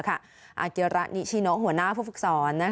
อาเกียรานิชชีโนหัวหน้าภูมิสอน